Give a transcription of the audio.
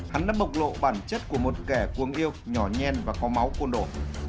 hắn đã bộc lộ bản chất của một kẻ cuồng yêu nhỏ nhen và có máu cuồn đổ